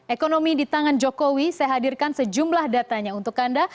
ekonomi di tangan jokowi saya hadirkan sejumlah datanya untuk anda